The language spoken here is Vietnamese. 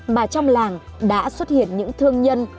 mà trong làng đã xuất hiện những thương nhân